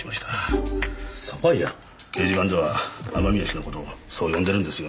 掲示板では雨宮氏の事をそう呼んでるんですよ。